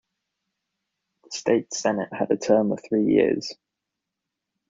The State Senate had a term of three years.